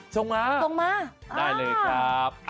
ส่งมาส่งมาได้เลยครับ